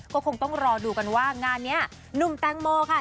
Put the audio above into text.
ก็คงต้องรอดูกันว่างานนี้หนุ่มแตงโมค่ะ